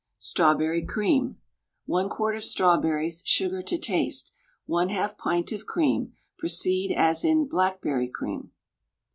STRAWBERRY CREAM. 1 quart of strawberries, sugar to taste, 1/2 pint of cream. Proceed as in "Blackberry Cream."